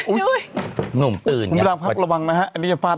อุ๊ยนุ่มตื้นไงโอ้โฮนั่นคือสิ่งที่ต้องการ